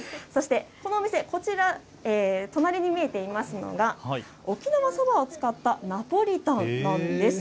このお店、隣に見えていますのが沖縄そばを使ったナポリタンなんです。